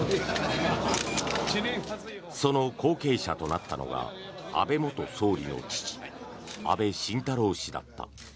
その後継者となったのが安倍元総理の父安倍晋太郎氏だった。